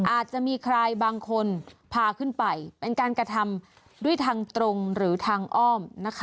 อาจจะมีใครบางคนพาขึ้นไปเป็นการกระทำด้วยทางตรงหรือทางอ้อมนะคะ